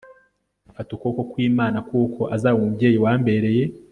fata ukuboko kw'imana, kuko azaba umubyeyi wambereye